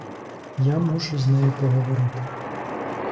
Я мушу з нею поговорити.